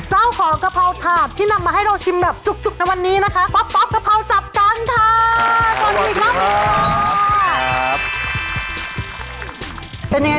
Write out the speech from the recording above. เห็นจริงเห็นจริงหมดไปครึ่งศาตรย์แล้วเนี่ย